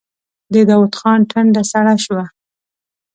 د داوود خان ټنډه سړه شوه.